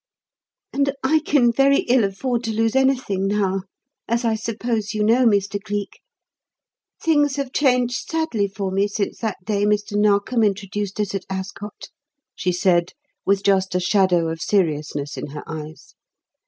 "And I can very ill afford to lose anything now as I suppose you know, Mr. Cleek. Things have changed sadly for me since that day Mr. Narkom introduced us at Ascot," she said, with just a shadow of seriousness in her eyes.